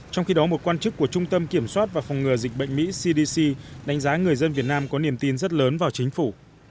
trong khi đó một quan chức của trung tâm kiểm soát và phòng ngừa dịch bệnh mỹ cdc đánh giá người dân việt nam có niềm tin rất lớn vào chính phủ